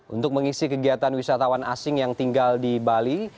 untuk mengisi kegiatan wisatawan asing yang tinggal di bali